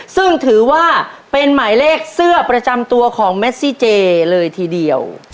ซึ่งถือว่าเป็นหมายเลขเสื้อประจำตัวของเมซี่เจเลยทีเดียว